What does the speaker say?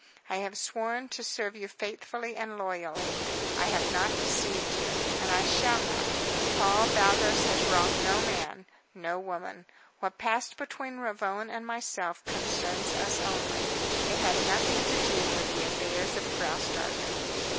I have sworn to serve you faithfully and loyally. I have not deceived you, and I shall not. Paul Baldos has wronged no man, no woman. What passed between Ravone and myself concerns us only. It had nothing to do with the affairs of Graustark."